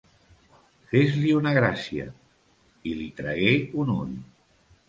Fes-li una gràcia! I li tragué un ull.